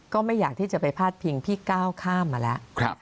ก็ไม่อยากที่จะไปพาดพิงพี่ก้าวข้ามมาแล้ว